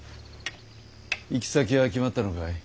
行き先は決まったのかい？